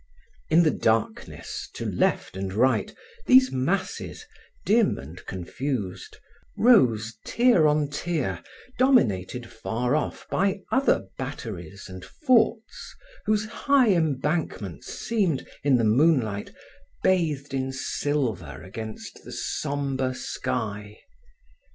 In the darkness, to left and right, these masses, dim and confused, rose tier on tier, dominated far off by other batteries and forts whose high embankments seemed, in the moonlight, bathed in silver against the sombre sky.